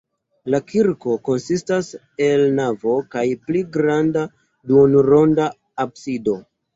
La kirko konsistas el navo kaj pli granda duonronda absido.